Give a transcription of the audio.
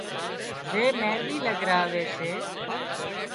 زي مينۮِي لڳراوي سي